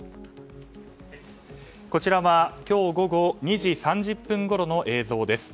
こちらは今日午後２時３０分ごろの映像です。